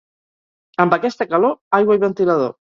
Amb aquesta calor, aigua i ventilador.